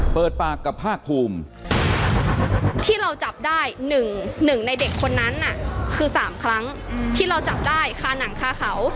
เปิดปากกับภาคภูมิที่เราจับได้๑ในเด็กคนนั้นน่ะคือ๓ครั้งที่เราจับได้คาหนังคาเขา